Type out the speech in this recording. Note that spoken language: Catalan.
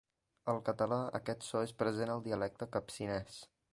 Al català aquest so és present al dialecte capcinès.